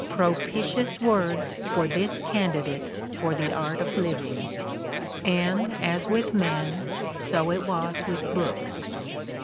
Propitious words for this candidate for the art of living! And as with men, so it was with books.